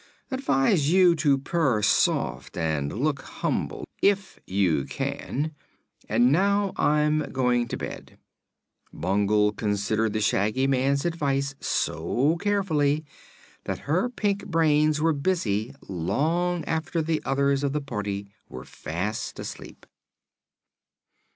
Advise you to purr soft and look humble if you can. And now I'm going to bed." Bungle considered the Shaggy Man's advice so carefully that her pink brains were busy long after the others of the party were fast asleep.